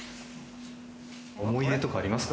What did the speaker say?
思い出とかありますか？